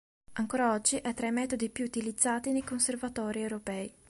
Ancora oggi è tra i metodi più utilizzati nei conservatori europei.